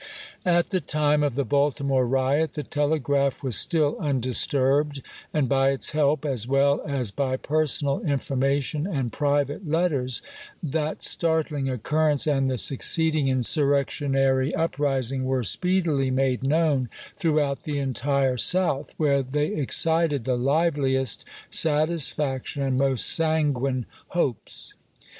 At the time of the Baltimore riot the telegraph was still undisturbed ; and by its help, as well as by personal information and private letters, that start ling occurrence and the succeeding insurrectionary 160 ABEAHAM LINCOLN Chap. VIII. Uprising were speedily made known throughout the entire South, where they excited the liveliest satisfaction and most sanguine hopes.